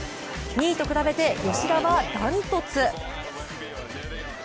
２位と比べて、吉田はダントツ。